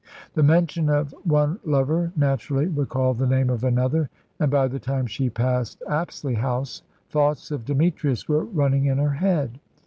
The mention of one lover naturally recalled the name of another, and by the time she passed Apsley House thoughts of Demetrius were running in her head.